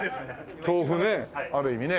豆富ねある意味ね。